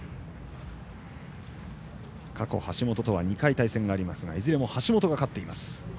過去、橋本とは２回対戦がありますがいずれも橋本が勝っています。